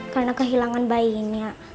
karena kehilangan bayinya